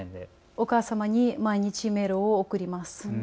お母様に毎日メールを送ります。